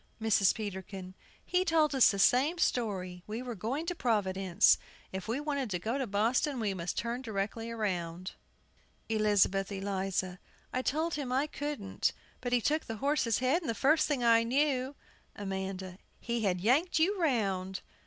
MRS. PETERKIN. He told us the same story, we were going to Providence; if we wanted to go to Boston, we must turn directly round. ELIZABETH ELIZA. I told him I couldn't; but he took the horse's head, and the first thing I knew AMANDA. He had yanked you round! MRS.